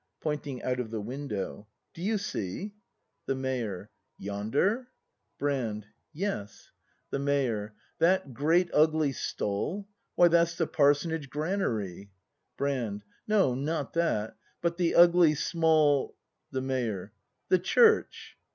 [Pointing out of the ivindow.] Do you see ? IV] BRAND Yonder ? The Mayor. Yes. Brand. The Mayor. 177 That great ugly stall ?— Why, that's the Parsonage granary. Brand. No, not that; — but the ugly, small The Mayor. The Church